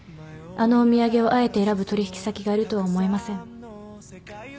あのお土産をあえて選ぶ取引先がいるとは思えません。